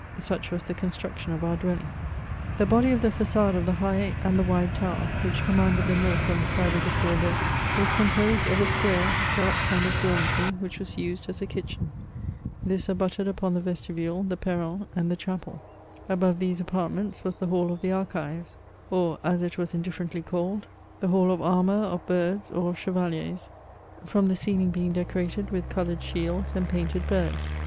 Such was the con struction of our dwelling. The body of the fa9ade of the high and the wide tower, which commanded the north on the side of the " cour verte," was composed of a square, dark kind of dormitory, which was used as a kitchen. This abutted upon the vestibule, the perron, and the chapel. Above these apartments was the Hall of the Archives, or, as it was indiflcrently called, the G 2 84 MEMOIRS OF —■■■■ hall of armour, of birds, or of chevaliers, from the ceiling being decorated with coloured shields and painted birds.